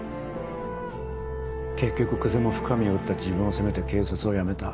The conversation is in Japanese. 結局久瀬も深海を撃った自分を責めて警察を辞めた。